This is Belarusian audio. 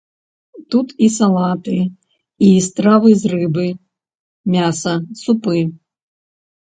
Тут і салаты, і стравы з рыбы, мяса, супы.